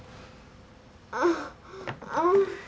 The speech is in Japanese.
あっあん。